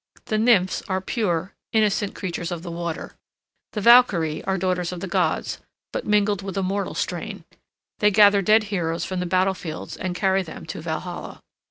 The nymphs are pure, innocent creatures of the water. The valkyrie are daughters of the gods, but mingled with a mortal strain; they gather dead heroes from the battle fields and carry them to Valhalla.